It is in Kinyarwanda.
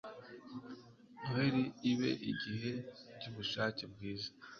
noheri ibe igihe cyubushake bwiza